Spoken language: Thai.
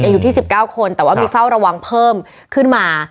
อยู่ที่๑๙คนแต่ว่ามีเฝ้าระวังเพิ่มขึ้นมา